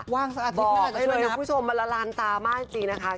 ว่างสักอาทิตย์ก็จะช่วยนับบอกให้ผู้ชมมาละลานตามากจริงนะคะ